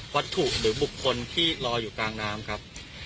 วัตถุหรือบุคคลที่รออยู่กลางน้ำครับ